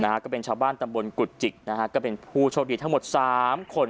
ก็เป็นชาวบ้านตำบลกุฎจิกนะฮะก็เป็นผู้โชคดีทั้งหมดสามคน